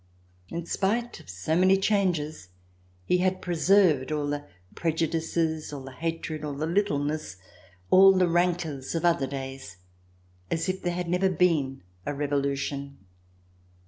In spite of so many changes, he had preserved all the prejudices, all the hatred, all the littleness, all the rancors of other days, as if there had never been a Revolution.